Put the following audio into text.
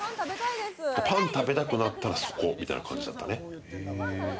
パン食べたくなったら、そこみたいな感じだったね。